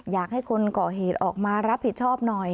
อยากให้คนก่อเหตุออกมารับผิดชอบหน่อย